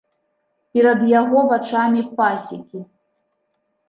Перад яго вачамі пасекі.